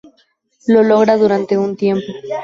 Lo logra durante un tiempo.